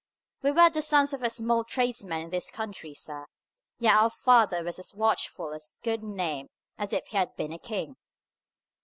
We were the sons of only a small tradesman in this county, sir; yet our father was as watchful of his good name as if he had been a king."